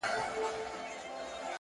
ږغ مي بدل سويدی اوس!!